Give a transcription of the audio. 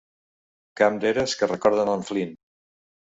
Camps d'eres que recorden en Flynn.